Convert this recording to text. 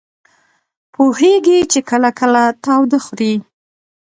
پوهېږي چې کله کله تاوده خوري.